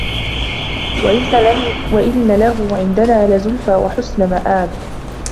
وَإِنَّ لَهُ عِنْدَنَا لَزُلْفَى وَحُسْنَ مَآبٍ